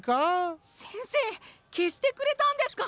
せんせいけしてくれたんですか！？